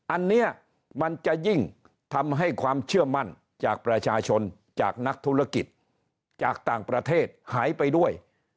อันนี้มันจะยิ่งทำให้ความเชื่อมั่นจากประชาชนจากนักธุรกิจจากต่างประเทศหายไปด้วย